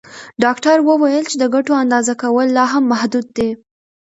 ډاکټره وویل چې د ګټو اندازه کول لا هم محدود دي.